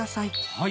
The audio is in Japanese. はい。